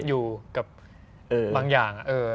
อยู่บางอย่าง